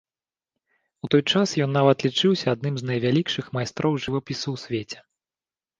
У той час ён нават лічыўся адным з найвялікшых майстроў жывапісу ў свеце.